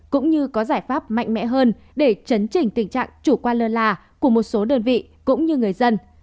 cũng như có giải pháp mạnh mẽ hơn để chấn chỉnh tình trạng chủ quan lơ là của một số đơn vị cũng như người dân